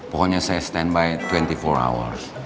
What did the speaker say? pokoknya saya stand by dua puluh empat hour